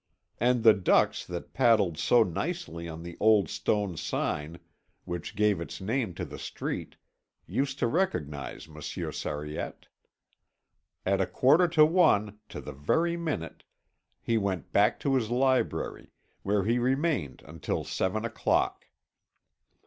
And the ducks that paddled so nicely on the old stone sign which gave its name to the street used to recognize Monsieur Sariette. At a quarter to one, to the very minute, he went back to his library, where he remained until seven o'clock.